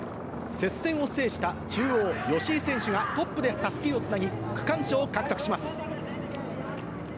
接戦を制した中央、吉居選手がトップでたすきをつなぎ、区間賞を獲得します。